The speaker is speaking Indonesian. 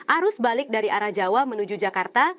arus balik dari arah jawa menuju jakarta